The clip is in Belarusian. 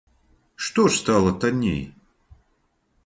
Што ж стала танней?